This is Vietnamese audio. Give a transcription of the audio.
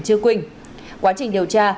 chia quynh quá trình điều tra